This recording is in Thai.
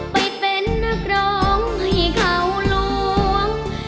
ไปเป็นนักร้องให้เขาล้วง